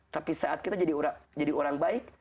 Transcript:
tapi saat kita jadi orang baik